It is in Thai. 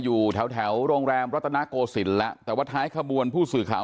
อยู่แถวแถวโรงแรมรัตนโกศิลป์แล้วแต่ว่าท้ายขบวนผู้สื่อข่าว